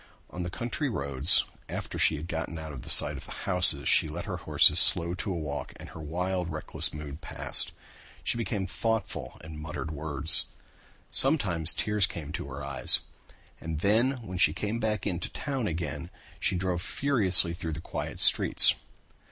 On the country roads after she had gotten out of sight of the houses she let the horses slow down to a walk and her wild, reckless mood passed. She became thoughtful and muttered words. Sometimes tears came into her eyes. And then when she came back into town she again drove furiously through the quiet streets.